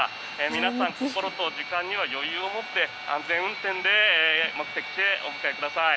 皆さん、心と時間には余裕を持って安全運転で目的地へお向かいください。